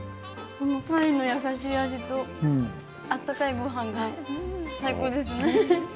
この鯛の優しい味と温かいごはんが最高ですね。